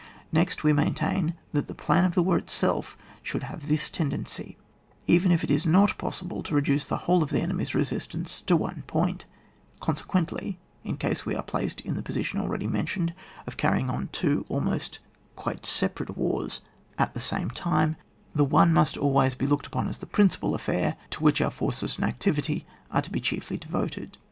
Nexty we maintain that the plan of the war itself should have this tendency, even if it is not possible to reduce the whole of the enemy's resistance to one point; consequently, in case we are placed in the position already mentioned, of carrying on two abnost quite separate wars at tifie same time, the one must always bo looked upon as the principal affair to which our forces and activity are to be chiefly devoted.